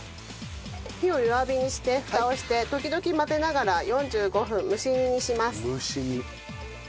火を弱火にしてフタをして時々混ぜながら４５分蒸し煮にします。